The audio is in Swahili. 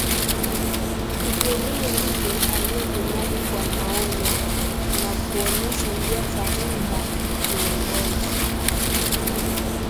Mfikirie mtu aliyejinadi kwa maono, na kuonesha njia sahihi za kiungozi